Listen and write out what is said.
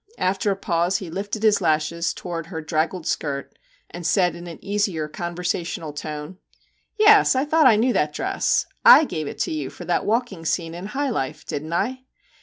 After a pause he lifted his lashes towards her draggled skirt, and said in an easier, conversational tone, ' Yes ! I thought I knew that dress / gave it to you for that walking scene in ' High Life/ didn't I?'